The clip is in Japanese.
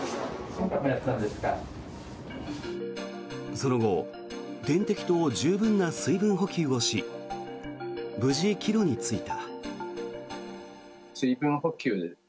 その後点滴と十分な水分補給をし無事、帰路に就いた。